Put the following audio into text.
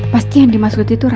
pasti yang dimaksud itu